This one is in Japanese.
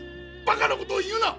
バカなことを言うな！